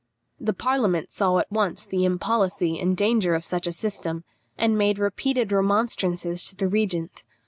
The parliament saw at once the impolicy and danger of such a system, and made repeated remonstrances to the regent.